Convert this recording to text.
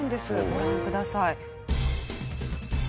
ご覧ください。